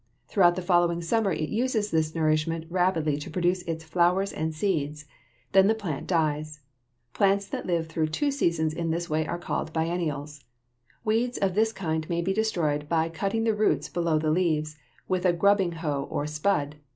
Throughout the following summer it uses this nourishment rapidly to produce its flowers and seeds. Then the plant dies. Plants that live through two seasons in this way are called biennials. Weeds of this kind may be destroyed by cutting the roots below the leaves with a grubbing hoe or spud.